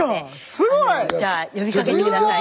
すごい！呼びかけて下さい。